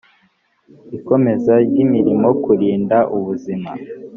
ikomeza ry imirimo kurinda ubuzima